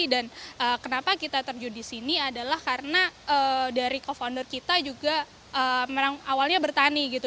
dan kenapa kita terjun di sini adalah karena dari co founder kita juga awalnya bertani gitu